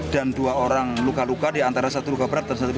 dan dua orang luka luka di antara satu luka berat dan satu luka ringan